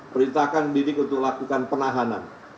perintahkan didik untuk lakukan penahanan